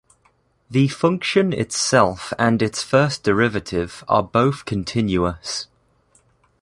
The function itself and its first derivative are both continuous.